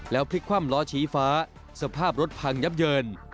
พลิกคว่ำล้อชี้ฟ้าสภาพรถพังยับเยิน